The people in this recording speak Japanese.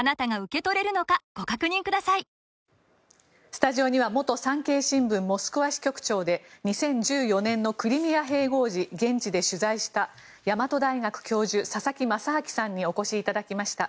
スタジオには元産経新聞モスクワ支局長で２０１４年のクリミア併合時現地で取材した大和大学教授、佐々木正明さんにお越しいただきました。